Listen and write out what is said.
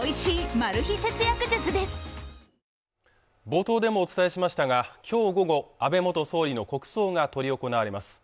冒頭でもお伝えしましたがきょう午後安倍元総理の国葬が執り行われます